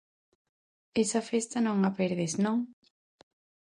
Esa festa non a perdes, non?